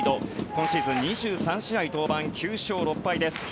今シーズン２３試合登板９勝６敗です。